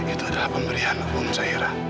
itu adalah pemberian umum sehera